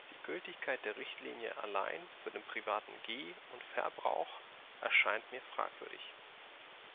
Die Gültigkeit der Richtlinie allein für den privaten Ge- und Verbrauch erscheint mir fragwürdig.